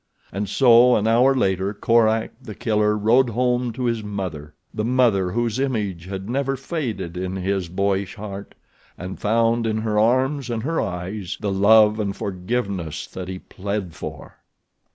And so, an hour later, Korak, The Killer, rode home to his mother—the mother whose image had never faded in his boyish heart—and found in her arms and her eyes the love and forgiveness that he plead for.